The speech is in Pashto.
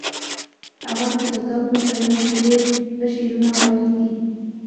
هغه د سلطان په ستاینه کې ډېر ښه شعرونه ویلي دي